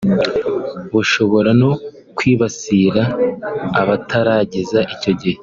bushobora no kwibasira abatarageza icyo gihe